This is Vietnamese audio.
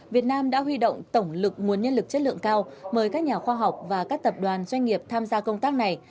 việt nam đã huy động tổng lực nguồn nhân lực chất lượng cao mời các nhà khoa học và các tập đoàn doanh nghiệp tham gia công tác này